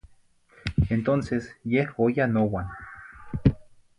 Entonces yeh oyah nouan.